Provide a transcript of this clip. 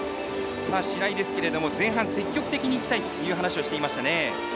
白井ですけど前半、積極的にいきたいという話をしていましたね。